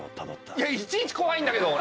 いやいちいち怖いんだけど。